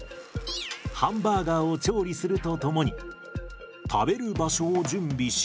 ハンバーガーを調理するとともに食べる場所を準備し。